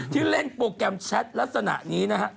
ที่เล่นโปรแกรมแชทลักษณะนี้นะฮะ